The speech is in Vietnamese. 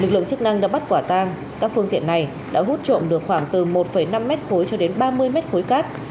lực lượng chức năng đã bắt quả tang các phương tiện này đã hút trộn được khoảng từ một năm m khối cho đến ba mươi m khối cát